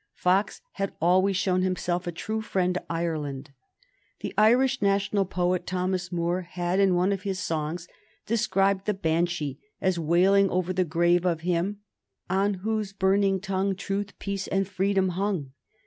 Fox had always shown himself a true friend to Ireland. The Irish national poet, Thomas Moore, had, in one of his songs, described the Banshee as wailing over the grave of him "on whose burning tongue truth, peace, and freedom hung."